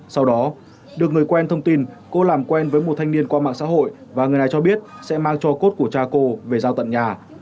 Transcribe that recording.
sau đó được người quen thông tin cô làm quen với một thanh niên qua mạng xã hội và người này cho biết sẽ mang cho cốt của cha cô về giao tận nhà